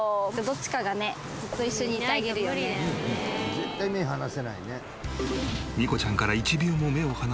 絶対目離せないね。